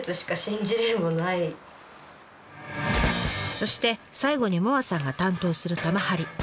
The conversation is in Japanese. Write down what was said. そして最後に萌彩さんが担当する玉貼り。